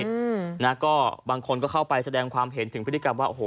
อืมนะก็บางคนก็เข้าไปแสดงความเห็นถึงพฤติกรรมว่าโอ้โห